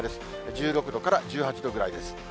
１６度から１８度ぐらいです。